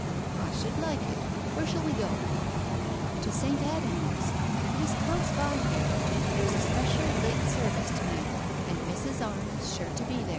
" I should like it. Where shall we go ?" "To St. Adhelm's ! It is close by here. There is a special late service to night, and Mrs. Arne is sure to be there."